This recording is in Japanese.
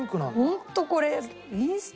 ホントこれ。